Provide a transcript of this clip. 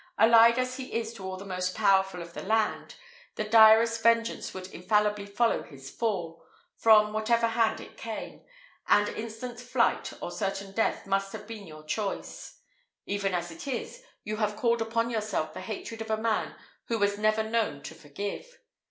Allied as he is to all the most powerful of the land, the direst vengeance would infallibly follow his fall, from whatever hand it came, and instant flight or certain death must have been your choice. Even as it is, you have called upon yourself the hatred of a man who was never known to forgive.